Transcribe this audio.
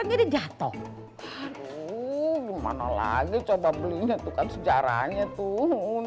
jadi jatuh gimana lagi coba belinya tuh kan sejarahnya tuh